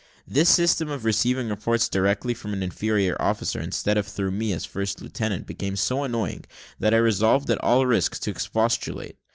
This system of receiving reports direct from an inferior officer, instead of through me, as first lieutenant, became so annoying, that I resolved, at all risk to expostulate.